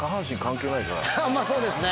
まぁそうですね。